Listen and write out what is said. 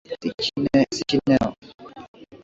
Sichi neno